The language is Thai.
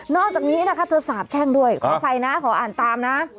อกจากนี้นะคะเธอสาบแช่งด้วยขออภัยนะขออ่านตามนะ